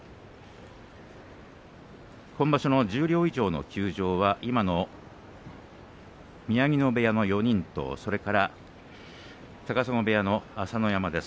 今場所の十両以上の休場は今の宮城野部屋の４人とそれから高砂部屋の朝乃山です。